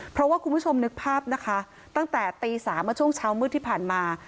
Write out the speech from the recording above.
เพราะว่าคุณผู้ชมนึกภาพนะคะตั้งแต่ตี๓เมื่อช่วงเช้ามืดที่ผ่านมา